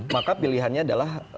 maka pilihannya adalah